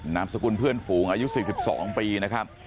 นามสกุลเพื่อนฝูงอายุ๔๒ปีนะครับ